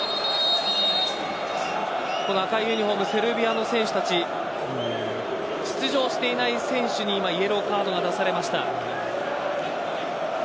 この赤いユニホームセルビアの選手たち出場していない選手にイエローカードが出されました。